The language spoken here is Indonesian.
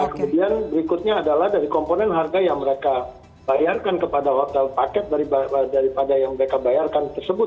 kemudian berikutnya adalah dari komponen harga yang mereka bayarkan kepada hotel paket daripada yang mereka bayarkan tersebut